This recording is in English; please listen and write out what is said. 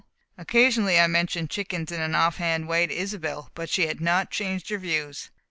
Occasionally I mentioned chickens in an off hand way to Isobel, but she had not changed her views.